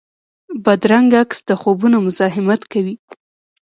بدرنګه عکس د خوبونو مزاحمت کوي